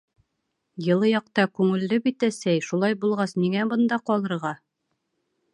— Йылы яҡта күңелле бит, әсәй, шулай булғас, ниңә бында ҡалырға?